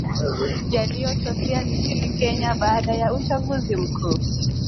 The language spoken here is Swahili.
yaliyotokea nchini kenya baada ya uchaguzi mkuu